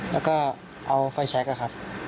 แล้วก็เอาไฟแช็ค